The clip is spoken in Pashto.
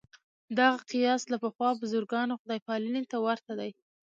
دغه قیاس له پخوا بزګرانو خدای پالنې ته ورته دی.